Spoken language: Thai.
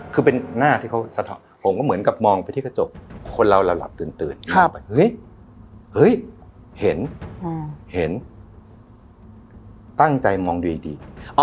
คือเป็นหน้าที่เขาสะท้อนผมก็เหมือนกับมองไปที่กระจกคนเราเราหลับตื่นเฮ้ยเห็นเห็นตั้งใจมองดูดี